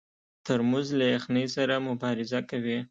ترموز له یخنۍ سره مبارزه کوي.